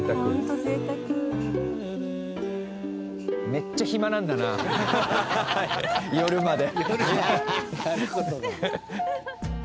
めっちゃ暇なんだな夜まで。